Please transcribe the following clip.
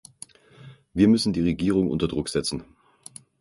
Wir müssen die Regierung unter Druck setzen.